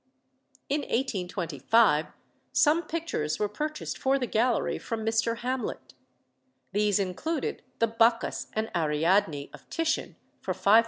In 1825 some pictures were purchased for the Gallery from Mr. Hamlet. These included the "Bacchus and Ariadne" of Titian, for £5000.